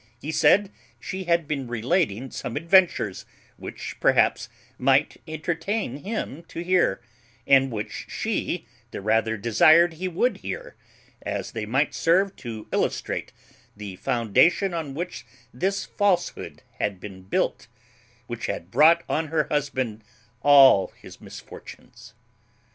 He said she had been relating some adventures which perhaps, might entertain him to hear, and which she the rather desired he would hear, as they might serve to illustrate the foundation on which this falsehood had been built, which had brought on her husband all his misfortunes.